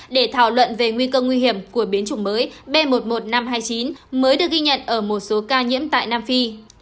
để thảo luận về nguy cơ nguy hiểm của biến chủng mới b một mươi một nghìn năm trăm hai mươi chín mới được ghi nhận ở một số ca nhiễm tại nam phi